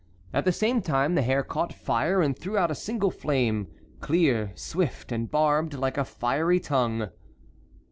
At the same time the hair caught fire and threw out a single flame, clear, swift, and barbed like a fiery tongue.